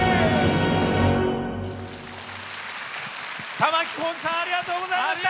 玉置浩二さんありがとうございました！